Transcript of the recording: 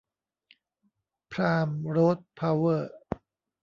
ไพร์ม โรด เพาเวอร์